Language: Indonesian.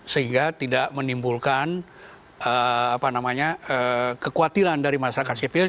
sehingga tidak menimbulkan apa namanya kekuatilan dari masyarakat sivil